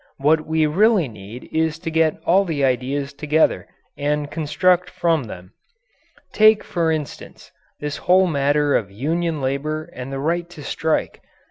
What we really need is to get all the ideas together and construct from them. Take, for instance, this whole matter of union labour and the right to strike.